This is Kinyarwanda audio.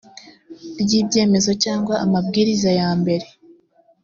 ry ibyemezo cyangwa amabwiriza ya mbere